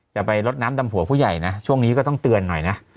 ไปลดน้ำดำหัวผู้ใหญ่นะช่วงนี้ก็ต้องเตือนหน่อยนะ